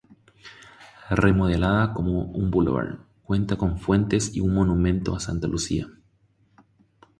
Remodelada como un boulevard, cuenta con fuentes y un monumento a Santa Lucía.